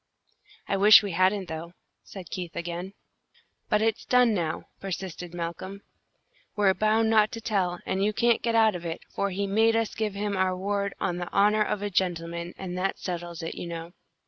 "I wish we hadn't, though," said Keith, again. "But it's done now," persisted Malcolm. "We're bound not to tell, and you can't get out of it, for he made us give him our word 'on the honour of a gentleman;' and that settles it, you know."